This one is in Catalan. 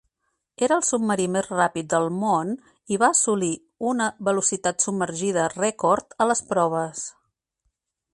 Era el submarí més ràpid del món i va assolir una velocitat submergida rècord a les proves.